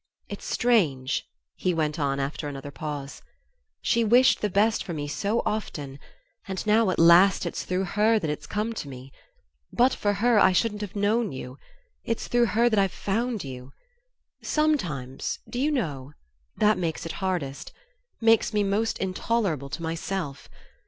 It's strange," he went on after another pause, "she wished the best for me so often, and now, at last, it's through her that it's come to me. But for her I shouldn't have known you it's through her that I've found you. Sometimes, do you know? that makes it hardest makes me most intolerable to myself.